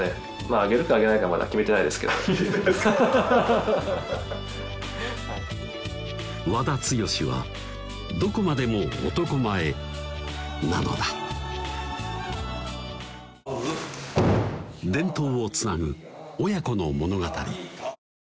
あげるかあげないかまだ決めてないですけど和田毅はどこまでも男前なのだ伝統をつなぐ親子の物語